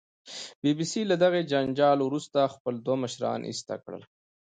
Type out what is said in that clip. بي بي سي له دغې جنجال وروسته خپل دوه مشران ایسته کړل